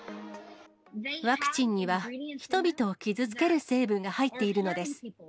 ワクチンには人々を傷つける成分が入っているのです。